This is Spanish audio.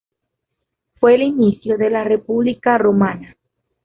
Fue el inicio de la República romana.